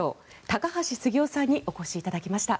高橋杉雄さんにお越しいただきました。